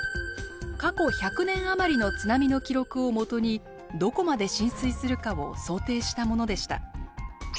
過去１００年余りの津波の記録を基にどこまで浸水するかを想定したものでした。